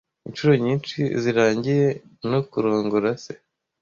Inshuro nyinshi zirangiye, no kurongora se